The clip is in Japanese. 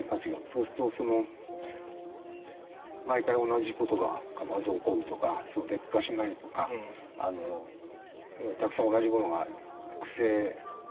そうすると毎回同じ事が必ず起こるとか劣化しないとかたくさん同じものがある。